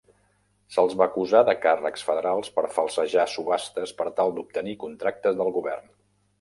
Se'ls va acusar de càrrecs federals per falsejar subhastes per tal d'obtenir contractes del govern.